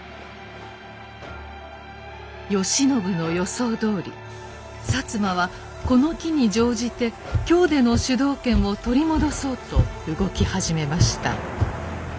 慶喜の予想どおり摩はこの機に乗じて京での主導権を取り戻そうと動き始めました。